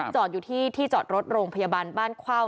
จอดอยู่ที่ที่จอดรถโรงพยาบาลบ้านเข้า